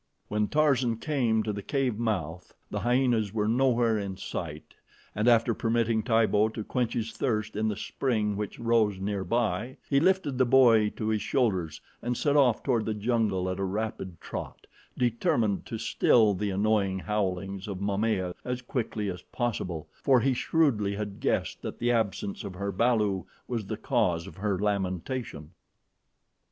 When Tarzan came to the cave mouth the hyenas were nowhere in sight, and after permitting Tibo to quench his thirst in the spring which rose near by, he lifted the boy to his shoulders and set off toward the jungle at a rapid trot, determined to still the annoying howlings of Momaya as quickly as possible, for he shrewdly had guessed that the absence of her balu was the cause of her lamentation.